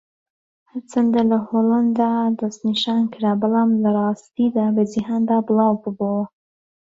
ھەرچەندە لە ھۆلەندا دەستنیشانکرا بەڵام لەڕاستیدا بە جیھاندا بڵاوببۆوە.